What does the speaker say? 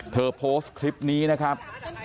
โพสต์คลิปนี้นะครับ